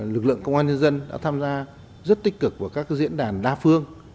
lực lượng công an nhân dân đã tham gia rất tích cực vào các diễn đàn đa phương